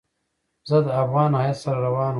زه د افغان هیات سره روان وم.